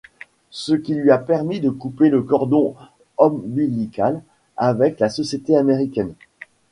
Ce qui lui a permis de couper le cordon ombilical avec la société américaine.